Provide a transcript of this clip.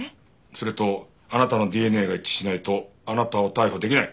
それとあなたのＤＮＡが一致しないとあなたを逮捕できない。